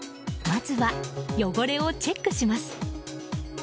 まずは汚れをチェックします。